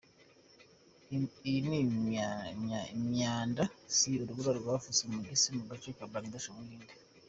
Iyi ni imyanda si urubura rwapfutse umugezi mu gace ka Bangalore mu Buhinde.